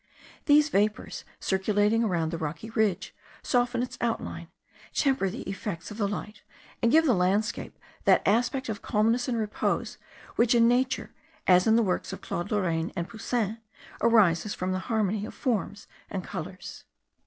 These vapours, circulating around the rocky ridge, soften its outline, temper the effects of the light, and give the landscape that aspect of calmness and repose which in nature, as in the works of Claude Lorraine and Poussin, arises from the harmony of forms and colours.